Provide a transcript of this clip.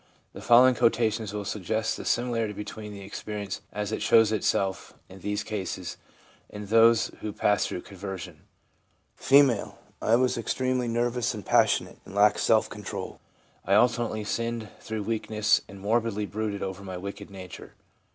The following quotations will suggest the similarity between that experience as it shows itself in these cases, and in those who pass through conversion : F. ' I was extremely nervous and passionate, and lacked self control. I alternately sinned through weakness, and morbidly brooded over my wicked nature.